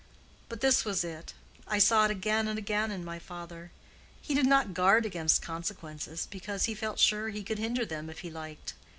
But this was it—I saw it again and again in my father:—he did not guard against consequences, because he felt sure he could hinder them if he liked.